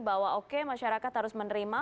bahwa oke masyarakat harus menerima